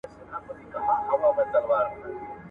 د زعفرانو سوداګري اړیکې پراخوي.